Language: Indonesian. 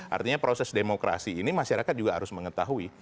artinya proses demokrasi ini masyarakat juga harus mengetahui